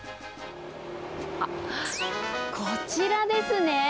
あっ、こちらですね。